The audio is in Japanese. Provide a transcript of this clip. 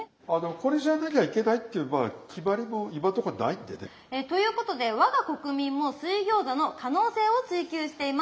これじゃなきゃいけないっていうまあ決まりも今んとこないんでね。ということで我が国民も水餃子の可能性を追求しています。